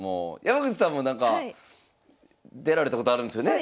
山口さんもなんか出られたことあるんですよね？